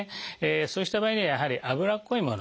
そうした場合にはやはりあぶらっこいもの。